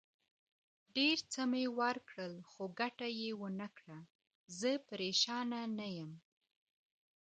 ډېر څه مې وکړل، خو ګټه یې ونه کړه، زه پرېشانه نه یم.